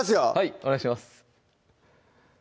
お願いします